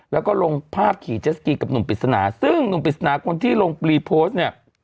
แล้วก็ลงภาพขี่เจสกีกับหนุ่มปริศนาซึ่งหนุ่มปริศนาคนที่ลงปรีโพสต์เนี่ย